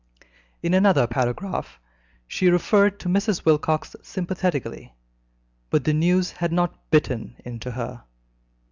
In another paragraph she referred to Mrs. Wilcox sympathetically, but the news had not bitten into her.